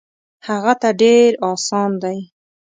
هغه ته ډېر اسان دی.